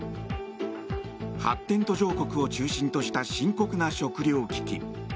発展途上国を中心とした深刻な食糧危機。